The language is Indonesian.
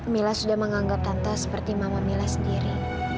mila sudah menganggap tanpa seperti mama mila sendiri